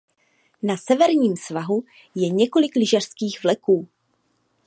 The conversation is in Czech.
Na severním svahu je několik lyžařských vleků.